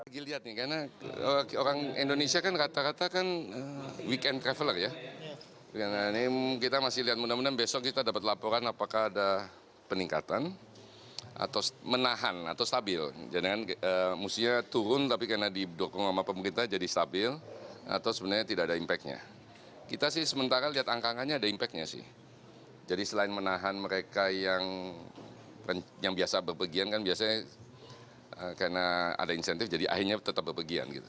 jadi selain menahan mereka yang biasa berpergian kan biasanya karena ada insentif jadi akhirnya tetap berpergian gitu